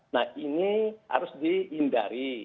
nah ini harus dihindari